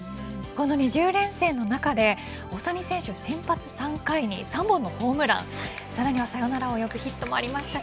この２０連戦の中で大谷選手先発３回に３本のホームランサヨナラを呼ぶヒットもありました。